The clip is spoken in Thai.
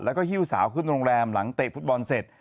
แล้วก็หิ้วสาวขึ้นโรงแรมหลังเตะฟุตบอลเสร็จ